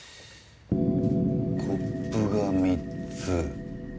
コップが３つ。